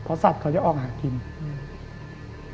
เพราะสัตว์เขาจะออกหากินอืม